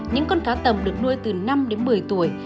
những con cá tầm được nuôi từ năm đến một mươi tuổi